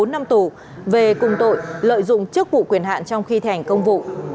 bốn năm tù về cùng tội lợi dụng trước vụ quyền hạn trong khi thể hành công vụ